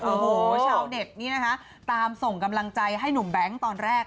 โอ้โหชาวเน็ตนี่นะคะตามส่งกำลังใจให้หนุ่มแบงค์ตอนแรก